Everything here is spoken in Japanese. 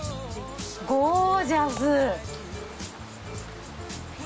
ゴージャス！